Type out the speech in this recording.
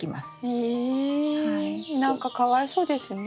え何かかわいそうですね。